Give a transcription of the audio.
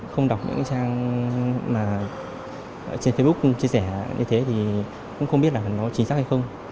không đọc những trang mà trên facebook chia sẻ như thế thì cũng không biết là nó chính xác hay không